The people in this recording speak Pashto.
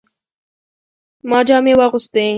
ما جامې واغستې